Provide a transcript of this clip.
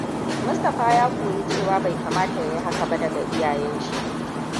Mustapha ya koyi cewa bai kamata yayi haka ba daga iyayen shi.